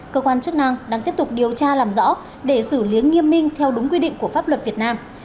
cơ quan chức năng đang tiếp tục điều tra làm rõ để xử lý nghiêm minh theo đúng quy định của pháp luật việt nam